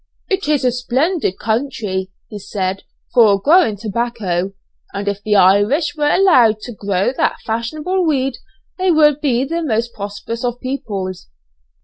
"It is a splendid country," he said "for growing tobacco, and if the Irish were allowed to grow that fashionable weed they would be the most prosperous of peoples."